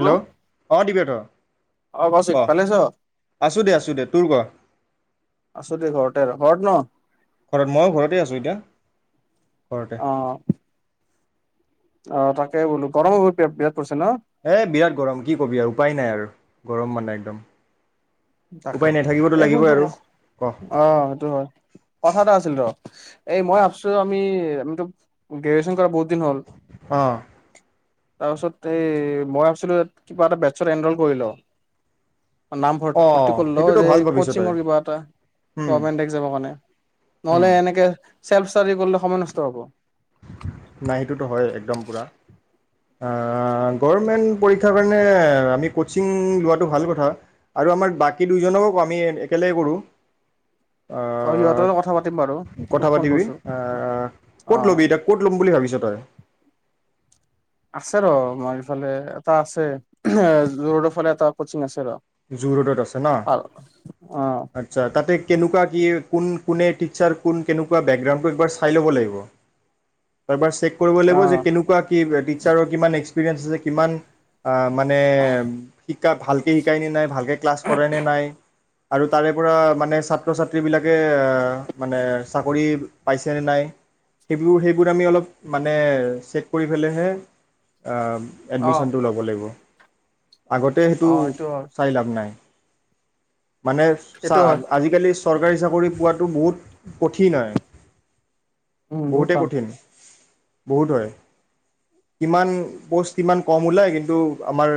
Hello? অ', দিবেৰ্থ অ ক। কৌশিক ভালে আছ? আছোঁ দে, আছো দে, তোৰ ক? আছো দে ঘৰতে, ঘৰত ন? ঘৰত, ময়ো ঘৰতে আছোঁ এতিয়া। ঘৰতে অ' অ তাকে বোলো গৰম হব পেপ পেপ এ বিৰাট গৰম কি কবি আৰু উপায় নাই আৰু। গৰম মানে একদম। তাকে। উপায় নাই থাকিবতো এ লাগিবই শুনছোন ক আৰু ক অ সেইটো হয়, কথা এটা আছিল ৰ এই মই ভাবছো আমি আমিতো গ্ৰেজুুৱেচন কৰা বহুত দিন হল অ তাৰপাছত এই মই ভাবছিলো কিবা এটা বেটছত এনল কৰি লওঁ। না অ ভৰ্তি কল্লো সেইটোতো যে ভাল ভাবিছ তই কচিঙৰ কিবা এটা উম গভৰ্মেন্ট এক্জামৰ কাৰণে। উম নহলে এনেকে চেল্ফ ষ্টাডি কল্লে সময় নষ্ট হব। নাই সেইটোতো হয় একদম পুৰা আ অ, গৰমেণ্ট পৰি [unintelligible] কাৰণে আমি কচিং লোৱাটো ভাল কথা আৰু আমাৰ বাকী দুইজনকো আমি একেলগে কৰোঁ। অ সিহঁতৰ লগত কথা পাতিম বাৰু। কথা তোক ফোন পাতিবি কৰছোঁ অ ত লম বুলি ভাবিছ তই? আছে ৰ আমাৰ এইফালে এটা আছে এ জু ৰোডৰ ফালে এটা কচিং আছে ৰ। জু ৰোডত আছে ন? আৰু অ আচ্ছা তাতে কেনেকুৱা কি কোন কোনে টিচাৰ কোন কেনেকুৱা বেকগ্ৰাউণ্ডটো এবাৰ চাই লব লাগিব। এবাৰ চা চেক কৰিব অ লাগিব যে কেনেকুৱা কি টিচাৰৰ কিমান এক্স [unintelligible] আছে যে কিমান আ মানে শিকা ভালকে শি নাই-নাই-নাই ভাল [unintelligible] ক্লাছ কৰে নে নাই আৰু তাৰে পৰা মানে ছাত্ৰ-ছাত্ৰীবিলাকে এএ মানে চাকৰি পাইছেনে নাই সেইবোৰ-সেইবোৰ আমি অলপ মানে চেক কৰি পেলাইহে আ আআ অ এডমিশ্যনতো লব লাগিব আগতে সেইটো অ এইটো হয় চাই লাভ নাই। মানে চা এইটো হয় আজিকালি চৰকাৰী চাকৰি পোৱাটো বহুত কঠিন হয়। উম বহুত বহুতে টান কঠিন বহুত হয়। কিমান পোষ্ট ইমান কম ওলায় কিন্তু আমাৰ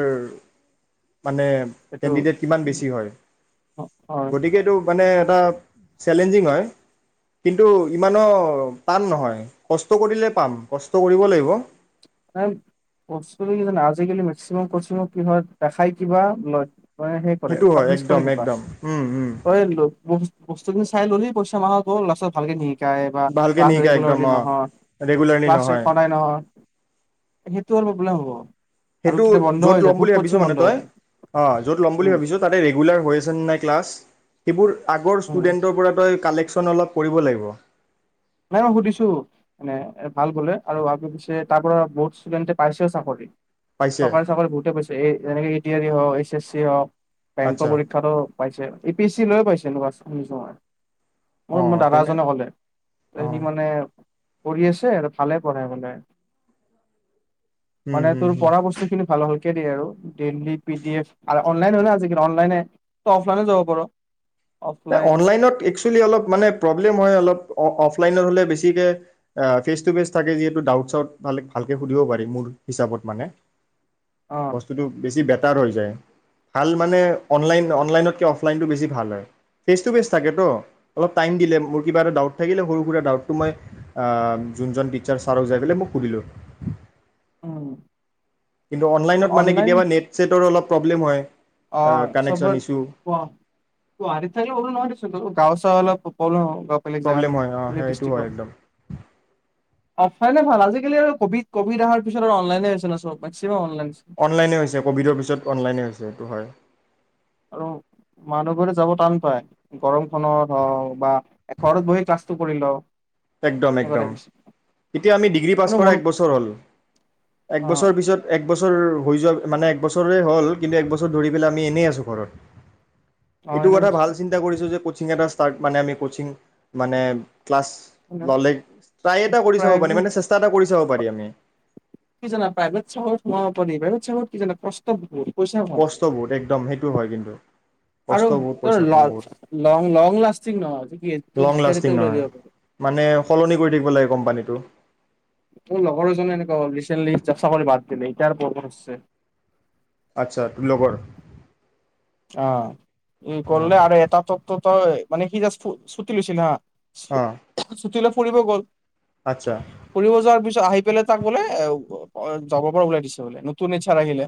মানে এইটো কেণ্ডিডেট কিমান বেছি হয়। হয় গতিকে এইটো মানে এটা চেলেঞ্জিং হয় কিন্তু ইমানো টান নহয়, কষ্ট কৰিলে পাম, কষ্ট কৰিব লাগিব। [unintelligible] কি জানা আজিকালি মেক্সিমাম কচিঙত কি হয় দেখাই কিবা লয় অঅ সেই কৰে সেইটো হয় পাব্লিছ কৰে একদম কিবা একদম উম উম অ লোক বস্তুখিনি চাই ললি পইচামাখা গল লাষ্টত ভালকে শিকায় বা ভালকে ক্লাছ নিশিকাই একদম ৰেগুলাৰলী অ' নহয় ৰেগুলাৰলি ক্লাছে নহয়। সদায় নহয় সেইটো আৰু বেলেগ হ'ব। আৰু সেইটো কেতিয়া বন্ধ য'ত হৈ যায় ল'ম বহুত বুলি কচিং ভাবিছো মানে বন্ধ হৈ তই, যায় অ' য'ত ল'ম বুলি উম ভাবিছ তাতে ৰেগুলাৰ হৈ আছেনে নাই ক্লাছ সিবোৰ আগৰ উম ষ্টুডেণ্টৰ পৰা তই কালেক অলপ কৰিব লাগিব। নাই, মই সুধিছোঁ, মানে, ভাল বোলে। আৰু আগে-পিছে তাৰ পৰা বহুত ষ্টুডেণ্টে পাইছেও চাকৰি। পাইছে চৰকাৰী চাকৰি বহুতে পাইছে। যেনেকে এ, এডিআৰই, হ এছ [unintelligible] বেংকৰ আচ্ছা পৰীক্ষাতো পাইছে। এপিএছচি লৈয়ো পাইছে। ল'ৰা-ছো শুনিছোঁ মই অহ্ মোৰ অঁ দাদা তেনে এজনে ক'লে। এ সি অঁ মানে পঢ়ি আছে আৰু ভালে পঢ়ায় বোলে। হুম মানে হুম তোৰ হুম। পঢ়া বস্তুখিনি [unintelligible] খেদি আৰু দেলহী পি ডি এফ আৰু অনলাইন হয় ন আজিকালি অনলাইন হে, তই অফলাইনো যাব পাৰ। এ অফলাইন অনলাইনত একচুৱেলী অলপ মানে প্ৰ'ব্লেম হয় অলপ, অ-অফ [unintelligible] লাইনৰ হ'লে বেছিকে ফেচ টু ফেচ থাকে যিহেতু ডাউট চাউট ভাল-ভালকে সুধিব পাৰি মোৰ হিচাপত মানে। অ বস্তুটো বেছি বেক -দাৰ হৈ যায়। ভাল মানে অনলাইন অনলাইনতকৈ অফলাইনটো বেছি ভাল হয়। ফেচ টু ফেচ থাকেতো অলপ টাইম দিলে মোৰ কিবা এটা ডাউট থাকিলে সৰু সুৰা ডাউটটো মই আ যোনজন টিচাৰ ছাৰক যাই পেলাই মই সুধিলোঁ। উম কিন্তু তোৰ অনলাইনত মানে অনলাইন কেতিয়াবা নেট ছেটৰ অলপ প্ৰব্লেম হয় অ কানেকশ্যন চবত ইছ্যু [unintelligible] গুৱাহাটীত থাকিলেও প্ৰব্লেম নহয় ত গাঁও চাওঁত অলপ প পব্লেম হব গাঁও বেলেগ জাগাত প্ৰব্লেম হয় অ বেলেগ হেইটো হয় ডিষ্ট্ৰিকত একদম অফলাইনে ভাল আজিকালি আৰু কভি কভিড অহাৰ পিছত আৰু অনলাইনে হৈছে ন চব মেক্সিমাম অন অনলাইনে হৈছে কভিডৰ পিছত অনলাইনে হৈছে এটো হয় আৰু মানুহবোৰে যাব টান পায় গৰমখনত হওক বা এ ঘৰত বহি ক্লাচটো কৰি লও একদম -একদম এতিয়া আমি ডিগ্ৰী পাছ মানে কৰা মন একবছৰ হল। অ একবছৰ পিছত একবছ [unintelligible] হৈ যোৱা মানে একবছৰেই হল কিন্তু একবছৰ ধৰি পেলাই আমি এনেই আছো ঘৰত অ এইটো এনে কথা ভাল চিন্তা কৰিছো যে কত কচিং এটা ষ্টাৰ্ট মানে- আমি - মানে ক্লাছ ললে ট্ৰাই এটা কৰি চাব প্ৰাইভেট মানে মানে চেষ্টা এটা কৰি যাব পাৰি আমি কি জানা প্ৰাইভেট চহৰত সোমাব পাৰি বেলেগ চহৰত কি জানা কষ্ট ভুৰ কষ্ট বহুত একদম সেইটো হয় কিন্তু আৰু কষ্ট বহুত তৰ পইচা কম বহুত ল-লং-লং লাষ্টিং নহয় কি তোক লং যেইতাই লাষ্টিং তেইতাই উলাই নহয় দিব পাৰে মানে সলনি কৰি থাকিব লাগে কোম্পানীটো মোৰ লগৰ এজনে এনেকুৱা হল ৰিচেণ্টলি এটা চাকৰি বাদ দিলে এতিয়া আৰু পৰব ধৰচে আচ্ছা তোৰ লগৰ? অ' ই অঁ কৰলে আৰু এটা টোত টোত হয় মানে সি জাষ্ট ফু-চুটি লৈচি না অ ফুৰিব গল ফুৰিব যোৱাৰ পিছত আহি পেলে তাক বোলে এ অ যব পৰা ওলাই দিছে বোলে নতুন এইচ আৰ আহিলে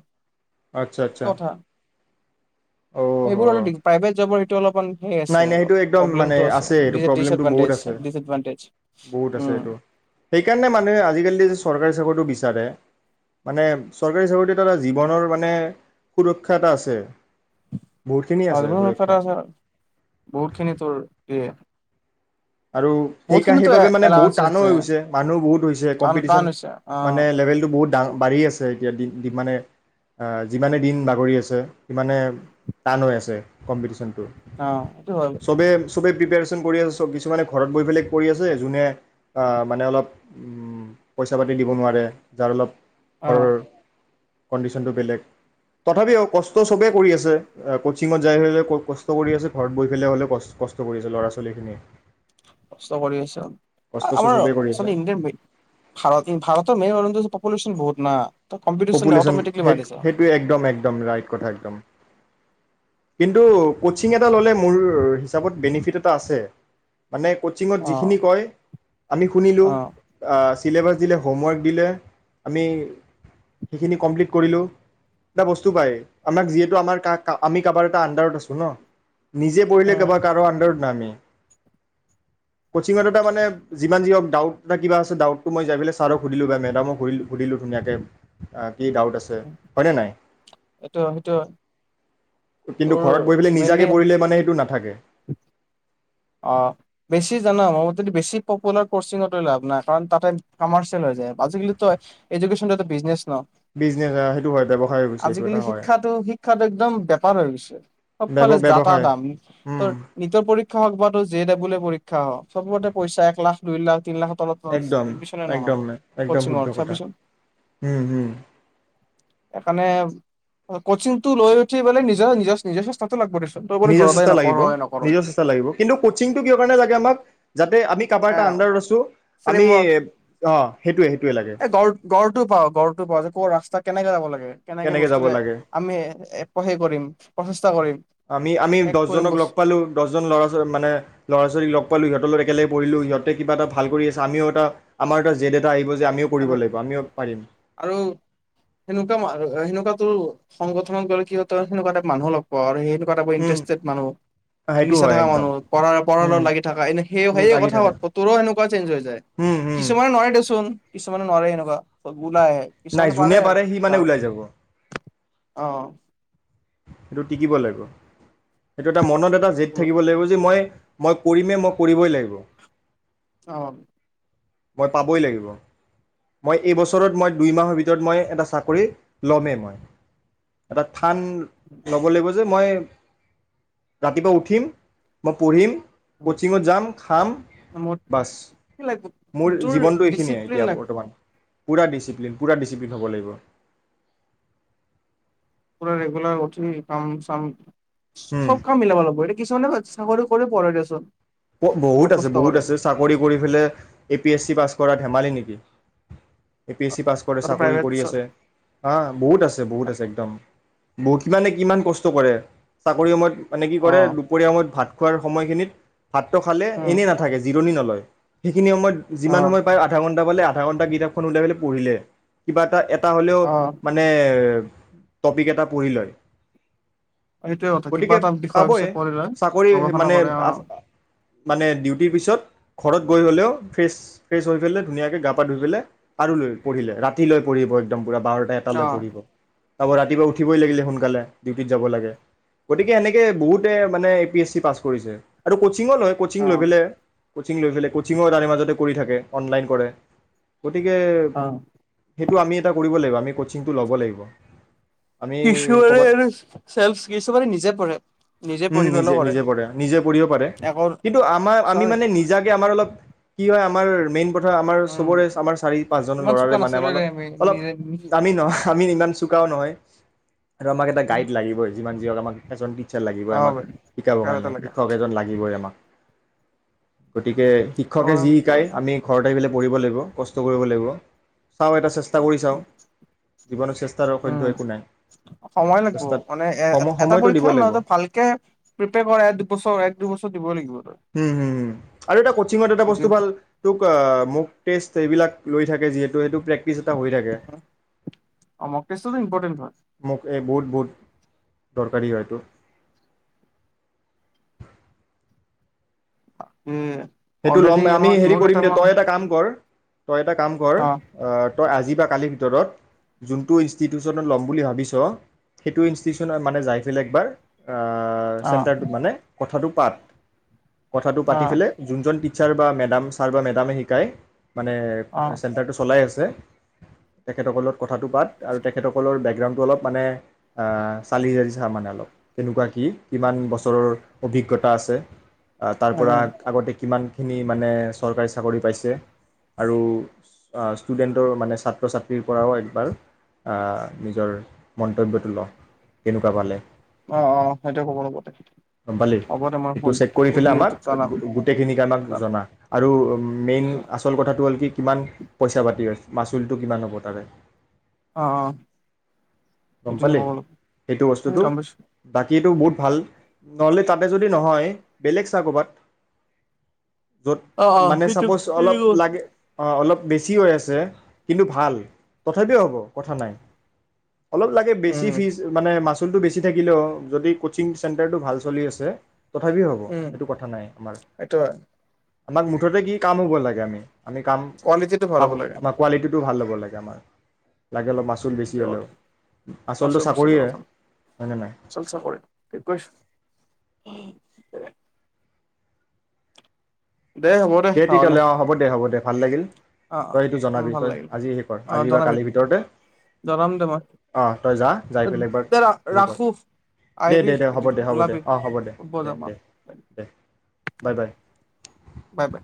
আচ্ছা আচ্ছা কথা অ' হ এইবোৰ অল দিগ, প্ৰাইভেট জবৰ ত অলপমান সেই আছে নাই নাই অলপ এইটো একদম মানে প্ৰব্লেমটো আছে এইটো প্ৰব্লেমটো বহুত ডিচএডভানটেজ আছে ডিচএডভানটেজ বহুত আছে উম এইটো। সেইকাৰণে মানুহে আজিকালি যে চৰকাৰী চাকৰিটো বিচাৰে মানে চৰকাৰী চাকৰিতৰ এটা জীৱনৰ মানে সুৰক্ষা এটা আছে। [unintelligible] বহুতখিনি আছে সুৰক্ষা বহুত খিনি তোৰ ইয়ে আৰু সেইকা, সেইবাবে মানে বহুত এলাউঞ্চেছ টানো হৈ দিয়ে গৈছে, মানুহো বহুত হৈছে টান কম্পিটিশ্যন টান হৈছে মানে অ' লেভেলটো বহুত ডা বাঢ়ি আছে এতিয়া দি, দিমানে, আ, যিমানে দিন বাগৰি আছে, সিমানে টান হৈ আছে কম্পিটিশন। অ সেইটো হয়। চবেই প্ৰিপাৰেচন কৰি আছে [unintelligible] কিছুমানে ঘৰত গৈ পেলাই কৰি আছে যোনে আ মানে অলপ উম পইচা পাতি দিব নোৱাৰে যাৰ অলপ অ'। ঘৰৰ কণ্ডিশ্যনটো বেলেগ, তথাপিও কষ্ট চবেই কৰি আছে। অ কচিঙত যাই হলেও কষ্ট কৰি আছে, ঘৰত গৈ পেলাই হলেও কষ্ট কৰি আছে ল'ৰা ছোৱালীখিনিয়ে। কষ্ট কৰিছে কষ্ট আমাৰ চবেই কৰি আছে আচলতে ইণ্ডিয়াৰ, ভাৰত, ভাৰতৰ মেই [inaudible] পলিউশ্যন বহুত না। ত কম্পিটিচন পপুলেশ্যন অট'মেটিকলি বাঢ়িছে সেই-সেইটোৱে একদম একদম ৰাইট কথা একদম। কিন্তু কচিং এটা ললে মোৰ হিচাপত বেনিফিট এটা আছে। মানে কোচিঙত অ যিখিনি কয় আমি শুনিলোঁ, অ আ চিলেবাছ দিলে হোমৱৰ্ক দিলে আমি সেইখিনি কমপ্লিট কৰিলোঁ, এটা বস্তু পায় আমাক যিহেতু আমাৰ কাক আমি কাবাৰ এটা আণ্ডাৰত আছোঁ ন। নিজে পঢ়িলে উম কাবাৰ কাৰো আণ্ডাৰ নামি কচিঙত এটা মানে যিমান যি হওঁক ডাউট এটা কিবাছে ডাউটটো মই যাই পেলাই ছাৰক সুধিলোঁ বা মেডামক সুধিলোঁ ধুনিয়াকৈ অ কি ডাউট আছে, হয়নে নাই? এইটো সেইটো কিন্তু তোৰ ঘৰত গৈ পেলাই মেইনলি নিজাকে পৰিলে মানে সেইটো নাথাকে। অ বেছি জানাম মই বেছি পপুলাৰ কচিঙত লৈ লাভ নাই, কাৰণ তাতে কমাৰ্চিয়েল হৈ যায়। আজিকালি টো এডকেশ্যন টো এটা বিজনেছ বিজনেছ সেইটো হয় ব্যৱসায় হৈ গৈছে এইটো আজিকালি এটা হয় শিক্ষাটো-শিক্ষাটো একদম বেপাৰ হৈ গৈছে, ব্যৱ চবফালে যা তা ব্যৱসায় দাম তোৰ উম, নিতৰ পৰীক্ষা অতো জে দাবুল এ পৰীক্ষা অ, চবতে পইচা এক লাখ, দুই লাখ, তিন লাখ একদম, একদম নাই একদম শুদ্ধ কচিঙত কথা। চাবিচোন হম হম। সেইকাৰণে কচিং টো লৈ উঠি পেলায় নিজৰ-নিজৰ-নিজৰ চেষ্টাটো লাগব দে নিজৰ চেষ্টা লাগিব, নিজৰ চেষ্টা লাগিব। কিন্তু কচিংটো কিহৰ কাৰণে লাগে আমাক? যাতে আমি কাৰোবাৰ এ এটা আণ্ডাৰত আছোঁ, আমি ফ্ৰেমৱৰ্ক অ সেইটোৱে সেইটোৱে লাগে। টোপা গৰটোপা যে, কৰ ৰাস্তা কেনেকে যাব লাগে? কেনেকে যাব বস্তুৰে লাগে আমি এপহে কৰিম। [unintelligible] আমি, আমি শেষ কৰিম দহজনক লগ বস্তু পালোঁ। দহজন ল'ৰাজ মানে ল'ৰা-ছোৱালীক লগ পালোঁ, সিহঁতৰ লগত এক কেলে পৰিলোঁ, সিহঁতে কিবা এটা ভাল কৰি আছে, আমিও এটা, আমাৰো এটা জেদ এটা আহিব যে আমিও কৰিব আৰু, লাগিব আমিও পাৰিম আৰু সেনেকুৱা মাৰু সেনেকুৱা তো সংগঠনত গ'লে কি হয়, তয়ো সেনেকুৱা টাইপ মানুহ লগ পাওঁ, আৰু সেয়েটো ক টাপ উম ইণ্টাৰেষ্টেড মানুহ, সেইটো নিইচ্ছা হয় থাকা একদম মানুহ, পৰাৰ-পৰৰ উম লগত লাগি থাকা, এনে সেয়ো-সেয়ো লাগি কথা থাকে পাতপ, তোৰো সেনেকুৱা চেঞ্জ হৈ যায়, উম উম কিছুমানৰ নহয় দেচোন। কিছুমানে নোৱাৰে এনেকুৱা। ওলাই আহে নাই, কিছুমানে যোনে আৰু পাৰে সি যাৰ মানে ওলাই যাব। অ'। সেইটো টিকিব লাব, সেইটো এটা মনত এট এটা জেদ থাকিব লাগিব যে মই মই কৰিমেই, মই কৰিবই লাগিব। অ'। মই পাবই লাগিব, মই এইবছৰত মই দুই মাহৰ ভিতৰত মই এটা চাকৰি লমেই মই, এটা থা থান ল'ব লাগিব যে মই ৰাতিপুৱা উঠিম, মই পঢ়িম। কোচিঙত যাম, খাম, মোৰ বাচ। কি লাগিব মোৰ তোৰ জীৱনটো এইখিনিয়ে ডিচিপ্লিন এতিয়া, লাগিব বৰ্তমান। পুৰা ডিচিপ্লিন, পুৰা ডিচিপ্লিন হ'ব লাগিব। পুৰা ৰেগুলাৰ উঠি কাম চাম উম, চব কাম মিলাব লাগিব, এতিয়া কিছুমানে [unintelligible] দেচোন। বহুত আছে, কষ্ট বহুত কৰে আছে, চাকৰি কৰি পেলাই, A P S C pass কৰা ধেমালি নেকি? A P S C pass কৰে, তইতো চাকৰি প্ৰাইভেট কৰি চ আছে হা, বহুত আছে, বহুত আছে, একদম। বহুত, কিমানে কিমান কষ্ট কৰে চাকৰি সময়ত মানে কি অ কৰে, দুপৰীয়া সময়ত ভাত খোৱাৰ সময়খিনিত ভাতটো খালে, উম এনেই নাথাকে, জিৰণি নলয়। সেইখিনি সময়ত, অ যিমান সময় পায়, আধা ঘণ্টা পালে আধা আধাঘণ্টা কিতাপখন ওলাই পেলাই পঢ়িলে, কিবা এটা এ অ', হ'লেও মানে টপিক এটা পঢ়ি লয়। এইটোয়ে কথা, কিবা গতিকে এটা বিষয় পাবই [unintelligible] পঢ়ি লৈ, চাকৰি গৱেষণা মানে কৰে অ' মানে ডিউটিৰ পিছত, ঘৰত গৈ হ'লেও, ফ্ৰেছ-ফ্ৰেছ হৈ পেলাই, ধুনীয়াকৈ গা-পা ধুই পেলাই আৰু লৈ পঢ়িলে, ৰাতিলৈ পঢ়িব একদম। পুৰা বাৰটা এটালৈ পঢ়িব। অ আকৌ ৰাতিপুৱা উঠিবই লাগিলে সোনকালে, ডিউটিত যাব লাগে, গতিকে এনেকৈ বহুতে মানে A P S C pass কৰিছে আৰু ক [unintelligible] লয় কোচিং লৈ পেলে কোচিং লৈ পেলে, কোচিংৰ তাৰে মাজতে কৰি থাকে, অনলাইন কৰে। গতিকে অ হে টো আমি এটা কৰিব লাগিব, আমি কোচিং টো ল'ব লাগিব। আমি কিছুমানে ক'ৰবাত এনে [unintelligible] কিছুমানে নিজে পঢ়ে, নিজে উম পঢ়ি পেলাই কৰে নিজে পঢ়ে নিজে পঢ়িব পাৰে এ কিন্তু আমাৰ, আমি মানে নিজাকে আমাৰ অলপ, কি হয় আম আমাৰ মেইন ধৰা, আমাৰ উম সবৰে আমাৰ চাৰি পাঁচজন ইমান লৰাৰে চোকা মানে, নাছিলো আমাৰ অল দে আমি অলপ নিজে দামী ন', আমি ইমান চোকাও নহয় আৰু আমাক এটা গাইড লাগিবই যিমান যি হক আমা এজন টিচাৰ লাগিবই অ আমাক বাইদেউ শিকাবৰ আৰু এটা কাৰণে, লাগে শিক্ষক এজন লাগিবই আমাক। গতিকে শিক্ষকে যি শিকায়, আমি ঘৰত আহি পেলাই পঢ়িব লাগিব। কষ্ট কৰিব লাগিব, চাওঁ এটা চে অসাধ্য উম, একো নাই সময় লাগিব চেষ্টাত মানে সম এ-এ-এটা সময়টো দিব পৰীক্ষা নহয় লাগিব তই ভালকে প্ৰিপেয়াৰ কৰা এক, দুবছৰ এক, দুবছৰ [unintelligible] দিবই লাগিব। তই হম, হম, হম, আৰু এটা কোচিংত এটা এক দুই বস্তু ভাল তোক আ, মোক টেষ্ট এইবিলাক লৈ থাকে যিহেতু এইটো প্ৰেক্টিচ এটা হৈ থাকে, অ মক টেষ্টটো ইম্পৰ্টেণ্ট হয় মোক এই বহুত, বহুত দৰকাৰী হয়তো উম। সেইটো ল'ম আমি, হেৰি কৰিম দে, তই এটা কাম কৰ, তই এটা কাম কৰ অ আ, তই আজি বা কালিৰ ভিতৰত যোনটো ইনষ্টিটিউচনত ল'ম বুলি ভাবিছ, সেইটো ইনষ্টিটিউচনত মানে যায় পেলাই একবাৰ আ, অ চেণ্টাৰটোত মানে কথাটো পাত। কথাটো অ পাতি পেলাই যোনজন টিচাৰ বা মেডাম, ছাৰ বা মেডামে শিকায় মানে, অ চেণ্টাৰটো চলাই আছে [unintelligible] তেখেতসকলত কথাটো পাত আৰু তেখেতসকলৰ বেকগ্ৰাউণ্ডটো অলপ মানে অ', চালি জাৰি চা মানে অলপ, কেনেকুৱা, কি, কিমান বছৰৰ অভিজ্ঞতা আছে। অ', উম, তাৰপৰা উম কিমানখিনি মানে চৰকাৰী চাকৰি পাইছে, আৰু অ', ষ্টুডেণ্টৰ মানে ছাত্ৰ ছাত্ৰীৰ পৰাও একবাৰ আ, নিজৰ মন্তব্যটো ল, কেনেকুৱা পালে। অ', অ', সেইটোয়ে খবৰ ল'ব দে, গম হ'ব দে মই সু-সুধি তোক জনাম গো-গোটেইখিনিকে আমাক জনা আৰু মেইন অ', আচল কথাটো হল কি কিমান পইচা পাতি মাচুলটো কিমান হব তাৰে। অ-অ, গম পালি, সেইটো উম, বস্তুটো গম পাইছোঁ। বা এইটো বহুত ভাল নহলে তাতে যদি নহয় বেলেগ চা কবাত। যত, অ', অ', মানে সেইটো চাপোজ অলপ সেইটো লাগে অ অলপ বেছি হৈ আছে কিন্তু ভাল। পঠাই দিয়া হব। কথা নাই। অলপ লাগে বেছি উম, ফিজ মানে মা [unintelligible] বেছি থাকিলেও যদি কচিং চেণ্টাৰটো ভাল চলি আছে তথাপিও হব উম, সেইটো কথা নাই আমাৰ। সেইটো হয়, আমাক মুঠতে কি কাম হব লাগে আমি। আমি কাম কোৱালিটিটো ভাল পাব হ'ব লাগে। আমাৰ কোৱালিটিটো ভাল হব। হব লাগে আমাৰ। লাগে ল অলপ মাচুল বেছি হলেও। আচলটো চাকৰিয়ে [unintelligible] হয়নে নাই চলচা কৰে। [unintelligible] উম দে হ'ব দে তেতিয়া নহ'লে, হলে অ হব দে হব দে। ভাল লাগিল। অ', অ', তই এইটো উম, জনাবি ভাল তই লাগিল। আজি হে কৰ অ', আজি বা জনাবি, কালিৰ ভিতৰতে জনাম দে মই, অ তই যা যাই পেলাই এবাৰ দে হে কৰ ৰাখোঁ, আহিবি দে-দে-দে হব এদিন দে হব দে ওলাবি অ হব ফুৰিব যাম আ। বাই দে-দে-দে-দে। Bye bye. Bye bye.